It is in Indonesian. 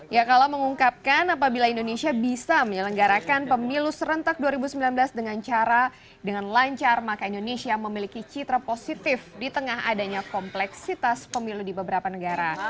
ya kala mengungkapkan apabila indonesia bisa menyelenggarakan pemilu serentak dua ribu sembilan belas dengan cara dengan lancar maka indonesia memiliki citra positif di tengah adanya kompleksitas pemilu di beberapa negara